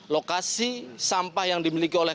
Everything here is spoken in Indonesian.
lokasi sampah yang dimiliki oleh